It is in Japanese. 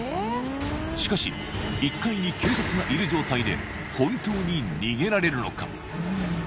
しかし１階に警察がいる状態で本当に逃げられるのか？